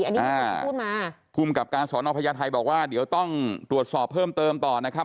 อันนี้ที่พูดมาภูมิกับการสอนอพญาไทยบอกว่าเดี๋ยวต้องตรวจสอบเพิ่มเติมต่อนะครับ